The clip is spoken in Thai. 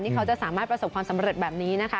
เขาจะสามารถประสบความสำเร็จแบบนี้นะคะ